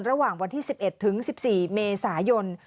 ระหว่างวันที่๑๑ถึง๑๔เมษายน